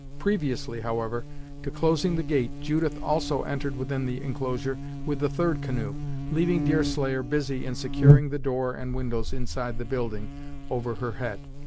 Previously, however, to closing the gate, Judith also entered within the inclosure with the third canoe, leaving Deerslayer busy in securing the door and windows inside the building, over her head.